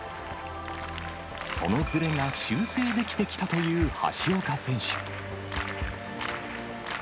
そのずれが修正できてきたという橋岡選手。